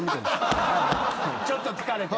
ちょっと疲れて。